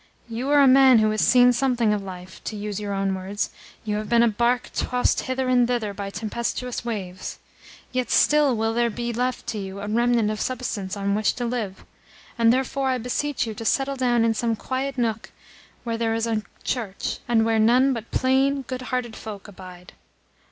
You are a man who has seen something of life to use your own words, you have been a barque tossed hither and thither by tempestuous waves: yet still will there be left to you a remnant of substance on which to live, and therefore I beseech you to settle down in some quiet nook where there is a church, and where none but plain, good hearted folk abide.